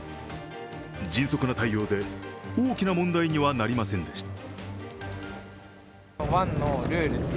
迅速な対応で大きな問題にはなりませんでした。